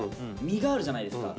実があるじゃないですか。